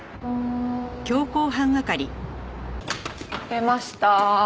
出ました。